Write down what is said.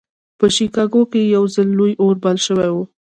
په شيکاګو کې يو ځل لوی اور بل شوی و.